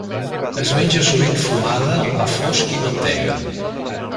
Es menja sovint fumada amb pa fosc i mantega.